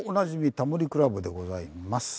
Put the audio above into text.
『タモリ倶楽部』でございます。